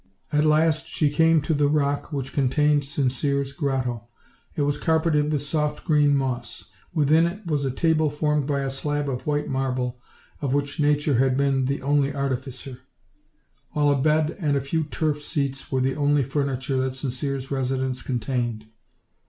At last she came to the rock which contained Sincere's grotto. It was carpeted with soft green moss; within it was a table formed by a slab of white marble, of which nature had been the only artificer; while a bed and a few turf seats were the only furniture that Sincere's residence contained.